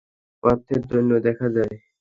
অর্থের দৈন্য দেখা দেয়।